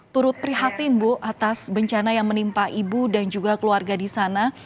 turut prihatin bu atas bencana yang menimpa ibu dan juga keluarga di sana